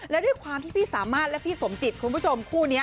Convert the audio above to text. และด้วยความที่พี่สามารถและพี่สมจิตคุณผู้ชมคู่นี้